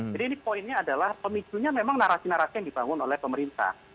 jadi ini poinnya adalah pemicunya memang narasi narasi yang dibangun oleh pemerintah